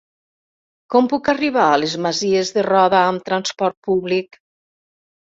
Com puc arribar a les Masies de Roda amb trasport públic?